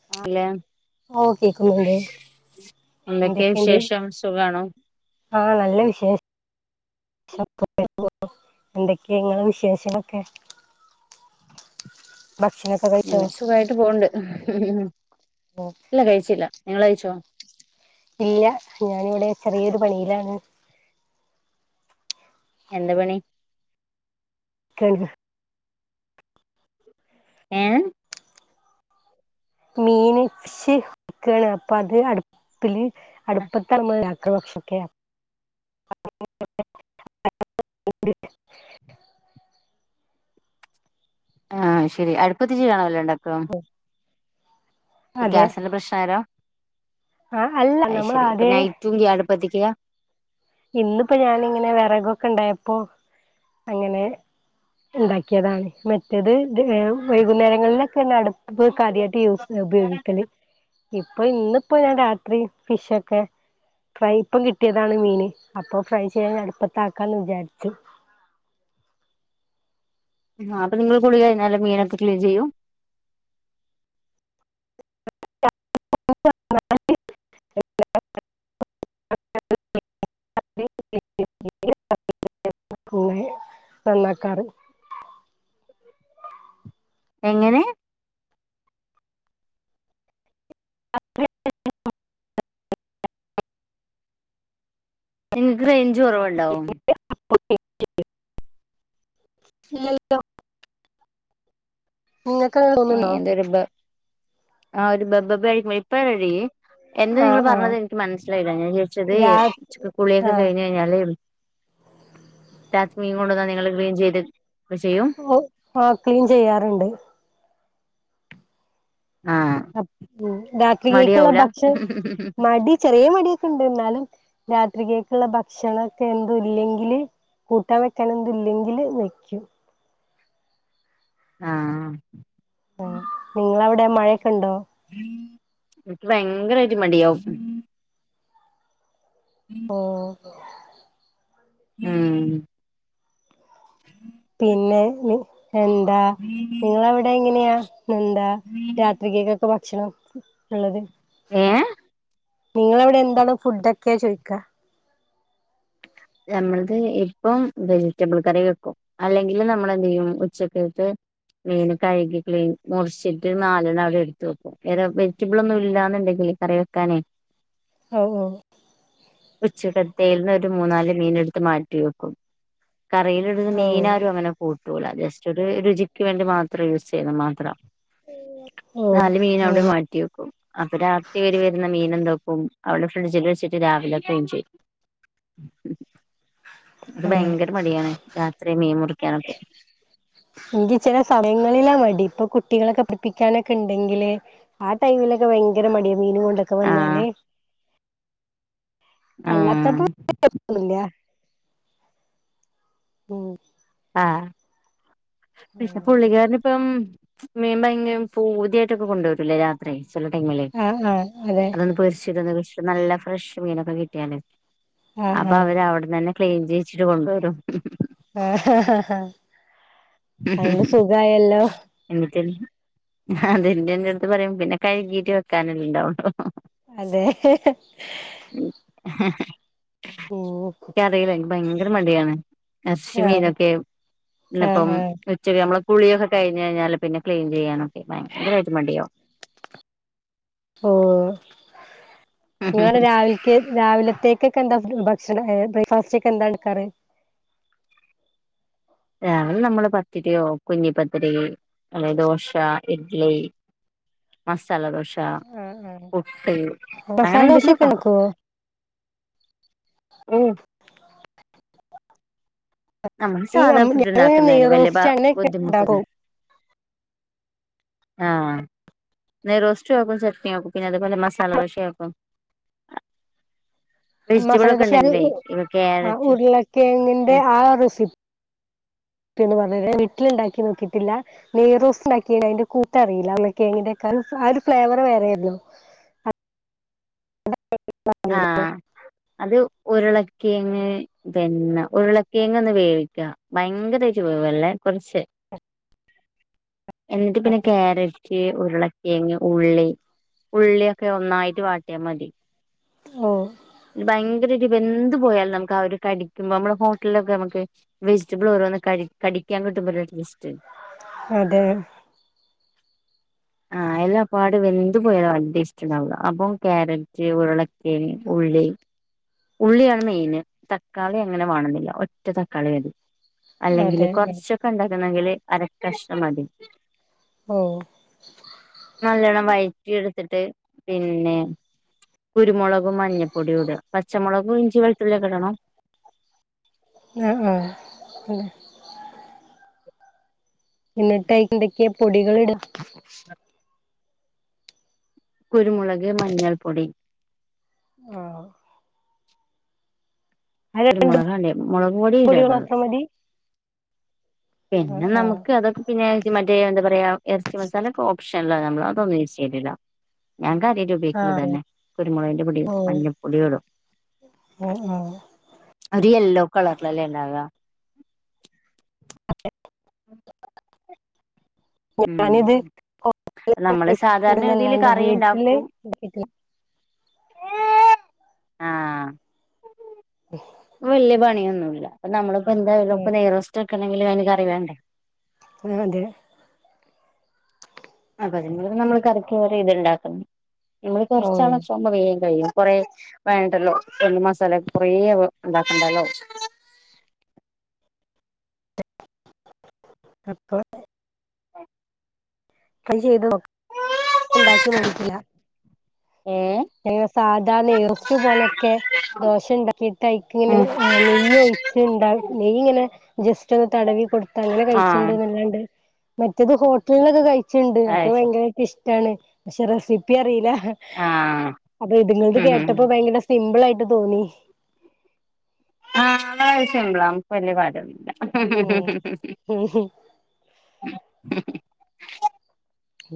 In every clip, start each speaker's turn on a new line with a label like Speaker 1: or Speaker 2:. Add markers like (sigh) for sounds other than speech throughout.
Speaker 1: (unintelligible)
Speaker 2: ഓ കേക്കുന്നുണ്ട്
Speaker 1: എന്തൊക്കെയ
Speaker 2: എന്തക്കെണ്ട്
Speaker 1: വിശേഷം സുഖാണോ
Speaker 2: ആ നല്ല വിശേ ഷം (unintelligible) എന്തക്കെ ഇങ്ങളെ വിശേഷങ്ങളൊക്കെ (inaudible) ഭക്ഷണം ഒക്കെ
Speaker 1: ഉം സുഖായിട്ട് പോണ്ട്
Speaker 2: ഓക്കെ
Speaker 1: ഇല്ല കഴിച്ചില്ല നിങ്ങൾ കഴിച്ചേ
Speaker 2: ഇല്ല ഞാനിവിടെ ചെറിയൊരു പണിയിലാണ്
Speaker 1: എന്ത് പണി
Speaker 2: (unintelligible)
Speaker 1: ഏഹ്
Speaker 2: മീൻ ഫിഷ് ക്കാണ് അപ്പ അത് അട്പ്പില് അട്പ്പത്താണ് ഇമ്മ ഇണ്ടാക്ക്ണ് ക്ഷ ഒക്കെ (inaudible)
Speaker 1: ആഹ് അത് ശെരി അടുപ്പത്ത് ച്ചിയാണോ എല്ലോ ഇണ്ടാക
Speaker 2: ഉം
Speaker 1: ഗ്യാസിന്റെ പ്രശ്നം ആരോ
Speaker 2: ആ അല്ല
Speaker 1: അത്
Speaker 2: നമ്മൾ
Speaker 1: ശരി ഇപ്പ
Speaker 2: ആദ്യ
Speaker 1: നൈറ്റും ഗ്യ അടുപ്പത്തിക്ക
Speaker 2: ഇന്ന്പ്പോ ഞാൻ ങ്ങനെ വെറകൊക്കെ ഇണ്ടായപ്പോ അങ്ങനെ ഇണ്ടാക്കേതാണ് മറ്റേത് ത് വൈകുന്നേരങ്ങളിലൊക്കെൺ അട് പ്പ് കാര്യായിട്ട് യൂസ് ഉപയോഗിക്കല് ഇപ്പൊ ഇന്ന്പ്പോ ഞാ രാത്രി വിഷൊക്കെ ഫ്രൈ ഇപ്പം കിട്ടേതാണ് മീന് അപ്പൊ ഫ്രൈ ചെയ്യാ അടുപ്പത്താക്കാന്ന് വിചാരിച്ചു
Speaker 1: ആഹ് അപ്പ നിങ്ങൾ കുളി കഴിഞ്ഞാൽ മീനൊക്കെ ക്ലീൻ ചെയ്യും
Speaker 2: (inaudible) (inaudible) നന്നാക്കാറ്
Speaker 1: എങ്ങനെ
Speaker 2: (inaudible)
Speaker 1: നിങ്ങക്ക് റേഞ്ച് കൊറവ്ണ്ടോ
Speaker 2: (unintelligible) നിങ്ങക്കെ
Speaker 1: ഏ എതരു ബ ആ ഒരു ബബബ കൊഴുപ്പഴി എന്ത നിങ്ങള്
Speaker 2: ആഹ് ആഹ്
Speaker 1: പറഞ്ഞത് എനിക്ക് മനസ്സിലായില്ല ഞാൻ ചോദിച്ചത്
Speaker 2: രാ
Speaker 1: ഉച്ചക്ക് കുളിയൊക്കെ
Speaker 2: ആഹ്
Speaker 1: കഴിഞ്ഞഞ്ഞാല് ചാച്ചൻ മീൻ കൊണ്ടന്നാ നിങ്ങൾ ക്ളീൻ ചെയ്ത് ചെയ്യും
Speaker 2: ഓ ആ ക്ലീൻ ചെയ്യാറുണ്ട്
Speaker 1: ആഹ്
Speaker 2: അ ഉം രാത്രി കേഴക്കുള്ള
Speaker 1: മടിയാവൂല
Speaker 2: ഭക്ഷണം മടി ചെറിയ മടി ൻണ്ട് എന്നാലും രാത്രികക്കുള്ള ഭക്ഷണ ഒക്കെ എന്തും ഇല്ലെങ്കില് കൂട്ടാൻ വെക്കാനതു ഇല്ലെങ്കിൽ വയ്ക്കും
Speaker 1: ആഹ്
Speaker 2: നിങ്ങള അവിടെ മഴയൊക്കെ ഉണ്ടോ
Speaker 1: എനിക്ക് ഭയങ്കരയായിട്ട് മടിയവും
Speaker 2: ഓ
Speaker 1: ഉം
Speaker 2: പിന്നെ നി എന്താ നിങ്ങള അവിടെ എങ്ങനെയാ ന്നഎന്താ
Speaker 1: ഉം
Speaker 2: രാത്രികക്കൊക്കെ ഭക്ഷണം ഉള്ളത്
Speaker 1: ഏ
Speaker 2: നിങ്ങള അവിടെ എന്താണ് ഫുഡ ഒക്കെ ചോദിക്കാ
Speaker 1: നമ്മളത് ഇപ്പം വെജിറ്റബിൾ കറി വെക്കും അല്ലെങ്കിൽ നമ്മള എന്ത് ചെയ്യും ഉച്ചക്കക്ക് മീൻ കഴുകി ക്ലീൻ മുറിച്ചിട്ട് നാലെണ്ണം അവിടെ എടുത്ത് വെക്കും വേറെ വെജിറ്റബിൾ ഒന്നും ഇല്ലാന്ന് ഒണ്ടെങ്കില് കറി വെക്കാനേ
Speaker 2: ഓ ഓ
Speaker 1: ഉച്ച കത്ത ന്ന് ഒരു മൂന്നാല് മീന് എടുത്ത് മാറ്റി വെക്കും കറിയിലിട്ന്ന
Speaker 2: ഓ ഓ
Speaker 1: മീനാരും അങ്ങനെ കൂട്ടൂല്ല ജസ്റ്റ് ഒരു രുചി ക്ക് വേണ്ടി മാത്രം യൂസ് ചെയ്യുന്ന മാത്രം
Speaker 2: ഓ
Speaker 1: നാല് മീൻ
Speaker 2: അങ്ങനെ
Speaker 1: അവിടെ മാ റ്റി വെക്കും അപ്പൊ രാത്രി വരെ വെരുന്ന മീന് എന്തോക്കും അവിടെ ഫ്രിഡ്ജില് വെച്ചിട്ട് രാവിലെ ക്ളീൻ ചെയ്യും ക്ക്
Speaker 2: അതെ
Speaker 1: ഭയങ്കര മടിയാണ് രാത്രി മീൻ മുറിക്കാനെഒക്കെ
Speaker 2: ഇനിക്ക് ചെല സമയങ്ങളിലാ മടി ഇപ്പൊ കുട്ടികളെ ഒക്കെ പഠിപ്പിക്കാന് ഒക്കെ എണ്ടെങ്കില് ആ ടൈമില് ക്ക് ഭയങ്കര മടിയ മീൻ കൊണ്ട് ഒക്കെ
Speaker 1: ആഹ്
Speaker 2: വന്നാല്
Speaker 1: ആഹ്
Speaker 2: അല്ലാത്തപ്പോ (unintelligible) ഇല്ല മം
Speaker 1: ആഹ് പിന്നെ പുള്ളി കരന്ന് ഇപ്പം മീൻ വാങ്ങ ഫുതിയായിട്ട് ഒക്കെ കൊണ്ട് വേരൂല്ലേ രാ ത്രി ചെല ടൈമിൽ
Speaker 2: ആഹ് ആഹ് അതെ
Speaker 1: അതൊന്ന് പൊരിച്ചിടനാത് ഇപ്പ നല്ല ഫ്രഷ് മീന് ഒക്കെ കിട്ടിയാലേ
Speaker 2: ആഹ്
Speaker 1: അപ്പൊ
Speaker 2: ആഹ്
Speaker 1: അവര് അവിടന്ന് അന്നെ ക്ലീൻ ചെയ്യിച്ചിട്ട് കൊണ്ടുവരും
Speaker 2: ആഹ ആഹാ ആഹാ
Speaker 1: ഹ് മ്മ് ഹ് എന്നിട്ട് അതെ എന്റെ എന്റെറ അടുത്ത് പറയും പിന്നെ കഴുകീട്ട് വെക്കാനല്ലേ ഇണ്ടാവു ഒള്ളൂ
Speaker 2: അതെ
Speaker 1: ഉം
Speaker 2: ഉം
Speaker 1: എക്ക് അറിയില്ല എക്ക് ഭയങ്കര മടിയാണ് ഏറച്ചി മീൻ
Speaker 2: ആഹ്
Speaker 1: ഒക്കെ ആവും
Speaker 2: ആഹ്
Speaker 1: ന്നിന്നപ്പം
Speaker 2: ആഹ്
Speaker 1: ഉച്ചയ്ക്ക് ഞമ്മള് കുളി ഒക്കെ കയിഞ്ഞ് കഴിഞ്ഞാല് പിന്നെ ക്ലീൻ ചെയ്യാന് ഒക്കെ ഭയങ്കരായിട്ടും മടിയ
Speaker 2: ഓഹ് ഞാന് രാവിൽക്ക് രാവിലത്തേക്ക് ഒക്കെ എന്താ ഒരു ഭക്ഷണം ഏ ബ്രേക്ക്ഫാസ്റ്റ് ഒക്കെ എന്താണ് കറി
Speaker 1: രാവിലെ നമ്മള് പത്തിരിയോ കുഞ്ഞി പത്തിരി അല്ലേ ദോശ ഇഡ്ലി മസാലദോശ പുട്ട് അങ്ങനെ
Speaker 2: മസാല
Speaker 1: എന്തെങ്കിലും
Speaker 2: ദോശയൊക്കെ
Speaker 1: ഒക്കെ ആക്കും
Speaker 2: ഉണ്ടാക്കുവോ
Speaker 1: ഓഹ് നമ്മള്
Speaker 2: ഈ
Speaker 1: സാധാ ഫുഡ്
Speaker 2: ഞങ്ങള്
Speaker 1: ഇണ്ടാക്കുന്നന്നെ വെല്യ ബാ
Speaker 2: നെയ്റോസ്റ്റ് അങ്ങനെയൊക്കെ
Speaker 1: ബുദ്ധിമുട്ടുന്നേ
Speaker 2: ഉണ്ടാക്കും
Speaker 1: ആഹ് നെറോസ്റ്റും ആക്കും ചട്നി ആക്കും പിന്നെ അതെ പോലെ മസാല ദോശയാക്കും അ വെജിറ്റബിൾ
Speaker 2: മസാല
Speaker 1: ഒക്കെ എണ്ടെങ്കിലേ ഇപ്പ ക്യാരറ്റ്
Speaker 2: തേങ്ങന്റെ
Speaker 1: ഉം
Speaker 2: ആ റെസിപ്പിന്ന് പറഞ്ഞ് തരണേ ഞാൻ വീട്ടിൽ എണ്ടാക്കി നോക്കിട്ട് ഇല്ല നെയ്റോസ് ഇണ്ടാക്കില്ല അയിന്റെ കൂട്ട് അറിയില്ല ഉർളക്കിഴങ്ങിന്റെ ക്കെ ആ ഒരു ഫ്ലേവറ് വേറെ അല്ലേ
Speaker 1: ആഹ്
Speaker 2: (unintelligible)
Speaker 1: അത് ഉരുളക്കിങ്ങ് പിന്നെ ഉരുളക്കെങ്ങ് ഒന്ന് വേവിക്കാ ഭയങ്കര ആയിട്ട് വേവല്ലേ കൊറച്ച്
Speaker 2: ഓ
Speaker 1: എന്നിട്ട് പിന്നെ ക്യാരറ്റ് ഉരുളക്കേങ്ങ് ഉള്ളി ഉള്ളി ഒക്കെ ഒന്നായിട്ട് വാട്ടിയാ മതി
Speaker 2: ഓഹ്
Speaker 1: ഭയങ്കര ഒര് വെന്ത് പോയാല് നമുക്ക് ഒരു അ കടിക്കുമ്പോ നമ്മടെ ഹോട്ടലില് ഒക്കെ നമ്മക്ക് വെജിറ്റബിൾ ഓരോന്ന് കഴി കടിക്കാൻ കിട്ടുമ്പോള്ല്ലേ ഒര് ടെസ്റ്റ്
Speaker 2: അതെ
Speaker 1: ആഹ് എല്ലാ പാട് വെന്ത് പോയാലും ആ ടെസ്റ്റ്‌ ഇണ്ടാവുല്ല അപ്പം ക്യാരറ്റ് ഉരുള ക്കിഴങ്ങ് ഉള്ളി ഉള്ളിയാണ് മെയിന് തക്കാളി അങ്ങനെ വണോന്ന് ഇല്ല ഒറ്റ തക്കാളി മതി അല്ലെങ്കില്
Speaker 2: അതെ
Speaker 1: കൊറച്ച് ഒക്കെ ഇണ്ടാക്ക് ണെങ്കില് അരക്കഷ്ണം മതി
Speaker 2: ഓഹ്
Speaker 1: നല്ലോണ്ണം വയറ്റി എടുത്തിട്ട് പിന്നെ കുരുമുളകും മഞ്ഞപ്പൊടിയു ഇട പച്ചമുളകും ഇഞ്ചി വെളുത്തുള്യൊക്കെ ഇടണം
Speaker 2: ആഹ് ആഹ് പിന്നെ എന്നിട്ട് അയ്ന്തൊക്കിയേ പൊടികളിട
Speaker 1: കുരുമുളക് മഞ്ഞൾ പൊടി
Speaker 2: ആഹ് രണ്ട്
Speaker 1: കുരുമുളകാലേ മുളക് പൊടി
Speaker 2: പൊടികൾ
Speaker 1: ഇടര്ത്
Speaker 2: മാത്രം മതി ആ
Speaker 1: പിന്നെ
Speaker 2: ആ
Speaker 1: നമുക്ക് അതൊക്കെ പിന്നെ ഇത് മറ്റേ എന്താ പറയാ എർച്ചി മസാലൊക്കെ ഓപ്ഷനല നമ്മൾ അതൊന്നും യൂസ് ചെയ്ട്ടില്ല ഞാ കാര്യായായിട്ട്
Speaker 2: ആ
Speaker 1: ബേക്കല്
Speaker 2: അതെ
Speaker 1: തന്നെ കുരുമുളകന്റെ പൊടീം
Speaker 2: ഓ
Speaker 1: മഞ്ഞപൊടീം ഇടും
Speaker 2: ആ ആ
Speaker 1: അരി യല്ലോ കളർലല്ലേ ഇണ്ടാവ
Speaker 2: അതെ
Speaker 1: ഉം
Speaker 2: ഞാനിത്
Speaker 1: നമ്മള് സാധാരണ
Speaker 2: (unintelligible)
Speaker 1: രീതിയില്
Speaker 2: ലാണ്ട്
Speaker 1: കറി
Speaker 2: വീട്ടില്
Speaker 1: ഉണ്ടാക്കും
Speaker 2: ഇണ്ടായിട്ടില്ല ഉം
Speaker 1: വെല്യ പണിയൊന്നുല ഇപ്പള് നമ്മളിപ്പോ എന്തായാലും ഇ നേറോസ്റ്റ് വെക്കണമെങ്കിലും അയ്ന് കറിവേണ്ടേ
Speaker 2: അഹ് അതെ
Speaker 1: അപതിന നമ്മൾ കറിക്കരെ ഇത്ണ്ടാക്കുന്നു നമ്മള്
Speaker 2: ഓ
Speaker 1: കൊറച്ചാളാവുമ്പ വേൻ കഴിയും. കൊറെ വേണ്ടല്ലോ എണ്ട് മസാല കൊറേണ്ടാക്കണ്ടല്ലോ
Speaker 2: അപ്പോ
Speaker 1: അഹ്
Speaker 2: അത് ചെയ്ത് നോ ഇണ്ടാക്കി നോക് ട്ടില്ല
Speaker 1: ഏ
Speaker 2: എങ്ങനെ സാധാ നെയ്റൊസ്റ്റ് പോലെക്കെ ദോഷണ്ടാക്കിട്ടയ്ക്ക് ഇങ്ങനെ
Speaker 1: ഉം
Speaker 2: നെയ്യ് ഒഴിച്ച്ണ്ട നെയ്യ് ഇങ്ങനെ ജസ്റ്റ് ഒന്ന് തടവി കൊടു ത്തങ്ങനെ
Speaker 1: ആഹ്
Speaker 2: കഴിച്ചിണ്ട്നല്ലാണ്ട് മറ്റേത് ഹോട്ടൽനൊക്കെ കഴിച്ചണ്ട്
Speaker 1: അത്
Speaker 2: അപ്പൊ
Speaker 1: ശരി
Speaker 2: ഭയങ്കരായിട്ട്ഷ് ട്ടാണ് പക്ഷേ റെസിപ്പി അറില്ല
Speaker 1: ആഹ്
Speaker 2: അപ്പൊ ഇതുങ്ങൾത്
Speaker 1: ഉം ഉം
Speaker 2: കേട്ടപ്പോ ഭയങ്കര സിമ്പിളായിട്ട് തോന്നി
Speaker 1: ആഹ് അത്‌ സിമ്പിളാ അമുക്ക് വെല്യ കാര്യൊന്ന്ല്ല
Speaker 2: ഉം ഉം
Speaker 1: (inaudible)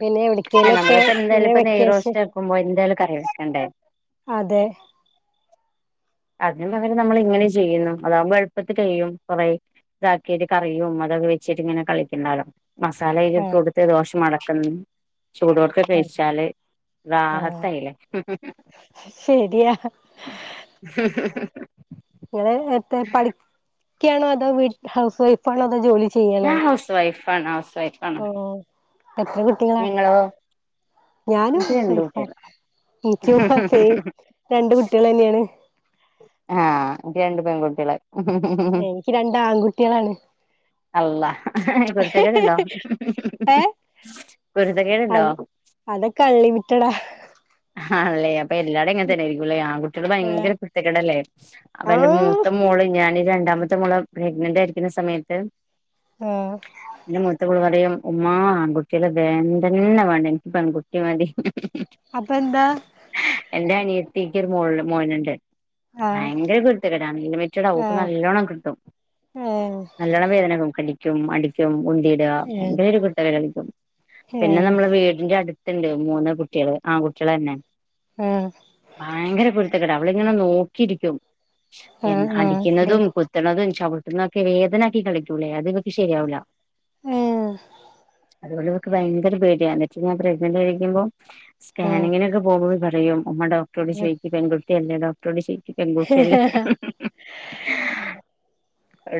Speaker 2: പിന്നെ എവിട്
Speaker 1: അഹ് നമ്മളിപ്പോ എന്തായാല ഇപ്പ നെയ്റോസ്റ്റ് ആക്കുമ്പോ എന്തായാലും കലക്കണ്ടേ
Speaker 2: അതെ
Speaker 1: അതിന് പകരം നമ്മൾ ഇങ്ങനെ ചെയ്യുന്നു അതാവുമ്പോ എളുപ്പത്തി കഴിയും കൊറേ ഇതാക്കിയിട്ട് കറിയും മെലത്വെച്ചിട്ട് ഇങ്ങനെ കളിക്കണ്ടാലോ മസാല
Speaker 2: ആഹ്
Speaker 1: അയില്ട്ടൊടുത്ത് ദോഷ മടക്കുന്ന ചൂടോടെ ക്കെ
Speaker 2: അതെ
Speaker 1: കഴിച്ചാല്
Speaker 2: ആഹ്
Speaker 1: റാഹത്തയില്ലേ
Speaker 2: ശരിയാ
Speaker 1: ആ
Speaker 2: ഇങ്ങനെ നേര്ത്തെ പഠിക്ക്‌ യാണോ അതോ വീ ഹൗസ് വൈഫ് പ്പോള്ളത് ജോലി ചെയ്യാലോ
Speaker 1: ഞാൻ ഹൗസ് വൈഫാണ് ഹൗസ് വൈഫാണ്
Speaker 2: ഓഹ് എത്ര കി
Speaker 1: നിങ്ങളോ?
Speaker 2: ഞാനും
Speaker 1: എനിക്ക് രണ്ട്
Speaker 2: സേയ്ഫ
Speaker 1: കുട്ടികള്
Speaker 2: എനിക്കും സേ രണ്ട് കുട്ടികളന്നേണ്
Speaker 1: ആഹ് എനിക്ക് രണ്ട് പെൺകുട്ടികള് (inaudible)
Speaker 2: ഏഹ് എനിക്ക് രണ്ടാൺകുട്ടിയാ
Speaker 1: അല്ലാഹ് ഏഹ് കുരുത്തക്കേടുണ്ടോ?
Speaker 2: ഏഹ്
Speaker 1: കുരുതകേട്ണ്ടോ?
Speaker 2: അത് അതൊക്കെ അൾലിമിറ്റടാ
Speaker 1: ആണല്ലേ അപ്പൊ എല്ലാടും അങ്ങനെ തന്നെയായിരിക്കുംല്ലേ ആ കുട്ടികട്
Speaker 2: ഏഹ്
Speaker 1: ഭയങ്കര കുരു തക്കേടല്ലേ? അപ്പൊ എന്റെ
Speaker 2: ആഹ്
Speaker 1: മൂത്ത മോള് ഞാനി രണ്ടാമത്തെ മോളെ പ്രഗ്നന്റ് ആയിരിക്കുന്ന സമയത്ത്
Speaker 2: ആഹ്‌
Speaker 1: എന്റെ മൂത്തമോള് പറയും ഉമ്മാ ആൺ കുട്ടിനെ വേൻണ്ടന്നെ വേണ്ട എനിക്ക് പെൺകുട്ടി മതി
Speaker 2: അപ്പന്താ
Speaker 1: എന്റെ അനിയത്തിക് ഒരു മോൾ മോന്ണ്ട്
Speaker 2: ആഹ്
Speaker 1: ഭയങ്കര കുരു ക്കേടാണ് അൺലിമിറ്റടാ ഓക്ക്
Speaker 2: ആഹ്
Speaker 1: നല്ലോണ്ണം കിട്ടും
Speaker 2: ഏഹ്
Speaker 1: നല്ലണം വേദനകും കടിക്കും അടിക്കും ഉന്തി ടാ
Speaker 2: ഏഹ്
Speaker 1: ഭയങ്കര ഒരു കുരുത്തക്കേട് കളിക്കും പിന്നെ
Speaker 2: ഏഹ്
Speaker 1: നമ്മള് വീടിന്റെ അടുത്തുണ്ട് മൂന്ന് കുട്ടികള് ആൺ കുട്ടികളെന്നെ
Speaker 2: ഉം
Speaker 1: ഭയങ്കര കുരുത്തക്കെടാ അവളിങ്ങനെ നോക്കിയിരിക്കും
Speaker 2: ആഹ് ആഹ് അതെ
Speaker 1: അടിക്കുന്നതും കു ത്ത്ണതും ചവിട്ടണതൊക്കെ വേദനാക്കി കളിക്കൂലെ അതെനിക്ക് ശരിയാവൂല്ല
Speaker 2: ഉം
Speaker 1: അതുകൊണ്ട് അവക്ക് ഭയങ്കര പേടിയാണ് എന്നിട്ട് ഞാൻ പ്രെഗ്നന്റ് ആയിരിക്കുമ്പോ
Speaker 2: ആഹ്
Speaker 1: സ്കാനിങ്ങിനൊക്കെ പോകുമ്പോ പറയും ഉമ്മ ഡോക്ടറോട്
Speaker 2: ആഹ്
Speaker 1: ചേയിക്ക് പെൺകുട്ടിയല്ലേ ഡോക്ടറോട് ചോയിക് പെൺകുട്ടിയല്ലേ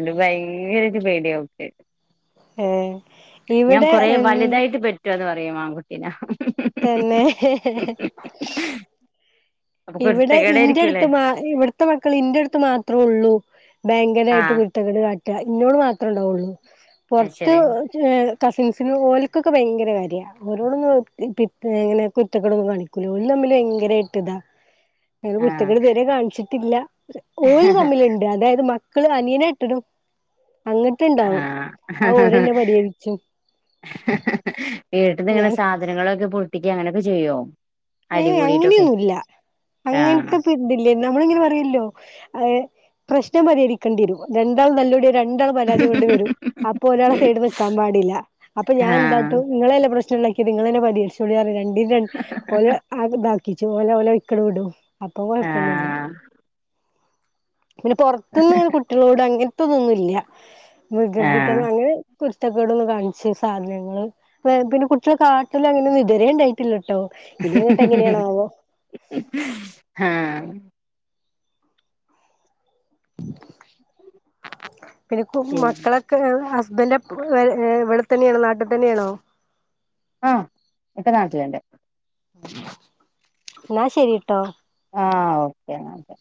Speaker 1: അത് ഭയങ്കര പേടിയാവുക്ക്
Speaker 2: ഏഹ്
Speaker 1: ഞാൻ
Speaker 2: ഇവിടെ
Speaker 1: കൊറേ
Speaker 2: എന്ത്
Speaker 1: വലുതായിട്ട് പെറ്റോന്ന് പറയും ആൺകുട്ടീനെ
Speaker 2: തന്നെ
Speaker 1: അപ്പൊ
Speaker 2: ഇവിടെ ഇന്റെ
Speaker 1: കുരുത്തക്കേടായിരിക്കൂലേ
Speaker 2: അടുത്ത് മാ ഇവിടുത്തെ മക്കൾ ഇന്റെ അടുത്ത് മാത്രേ ഉള്ളൂ ഭയങ്കരായിട്ട്
Speaker 1: ആഹ്
Speaker 2: കുരു ത്തകേട് കാട്ട ഇന്നോട് മാത്രണ്ടാവുള്ളൂ
Speaker 1: അത്
Speaker 2: പൊർത്ത്
Speaker 1: ശരി
Speaker 2: (unintelligible) കസിൻസിന് ഓല്ക്കൊക്കെ ഭയങ്കര കാര്യ ഓരോടൊന്നും (unintelligible) ഇങ്ങനെ കുരുത്തക്കടൊന്നും കാണിക്കുലാ (unintelligible) തമ്മിൽ ഭയങ്കര ഇട്ട് ഇതാ
Speaker 1: ആഹ്
Speaker 2: കുരുത്തകേട് ഇതുവരെ കാണിച്ചിട്ടില്ല ഓര് തമ്മിലുണ്ട് അതായത് മ മക്കള് അനിയനെ ഇട്ടിടും അങ്ങട്ടുണ്ടാവും ആ ഓരോന്നെ പടിയഴിച്ചും
Speaker 1: ഏട്ടനെങ്ങനെ
Speaker 2: ഞാൻ
Speaker 1: സാധനങ്ങളൊക്കെ പൊട്ടിക്ക അങ്ങനെയൊക്കെ ചെയ്യോ അടി
Speaker 2: ഏഹ്‌
Speaker 1: കൂടിട്ടൊക്കെ
Speaker 2: അങ്ങനെയൊന്നുല്ല അങ്ങനത്തെ
Speaker 1: ആഹ്
Speaker 2: പി (unintelligible) നമ്മളിങ്ങനെ പറയല്ലോ പ്രശ്നം പരിഹരിക്കണ്ടി വരും രണ്ടാള് തല്ലുടിയ രണ്ടാളും പരാതി കൊണ്ട് വരും അപ്പോ ഒരാളെ സൈഡ് നിക്കാൻ പാടില്ല അപ്പൊ ഞാൻ എന്താ ട്ട് നിങ്ങളെല്ലെ പ്രശ്നം ഉണ്ടാക്കിയത് നിങ്ങളന്നെ പരിഹരിചോളി രണ്ടിന
Speaker 1: ആഹ്
Speaker 2: ഓരെ (unintelligible) കിച്ചു പോയലെ ഓലെ ഒരിക്കലേ വിടും അപ്പൊ കൊഴപ്പൊന്നുല്ല
Speaker 1: ആഹ്
Speaker 2: പിന്നെ പുറത്തുന്ന് കുട്ടികളോട് അങ്ങനത്തെതൊന്നും ഇല്ല
Speaker 1: ആഹ്
Speaker 2: വികൃതിത്തനം അങ്ങനെ കുരുത്തക്കെടന്ന് കാണിച്ചു സാധനങ്ങള് പിന്നെ കുട്ടികള് കാട്ടല്ല അങ്ങനെനിതരേ ഇതുവരെഉണ്ടായിട്ടില്ല ട്ടോ
Speaker 1: ആഹ്‌
Speaker 2: പിന്നെ ഇപ്പം
Speaker 1: പിന്നെ
Speaker 2: മക്കളൊക്കെ ഹസ്ബന്റ് (unintelligible) ഇവിടെ തന്നെയാണേ നാട്ടിൽ തന്നെയാണേ
Speaker 1: ആഹ്‌ ഇക്ക നാട്ടിലുണ്ട്
Speaker 2: എന്നാ ശരിട്ടോ
Speaker 1: ആഹ് ഓക്കെ എന്നാട്ടോ